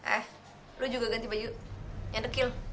eh lu juga ganti baju yang dekil